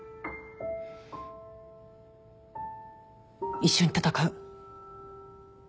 一緒に闘う。